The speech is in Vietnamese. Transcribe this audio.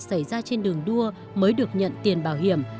xảy ra trên đường đua mới được nhận tiền bảo hiểm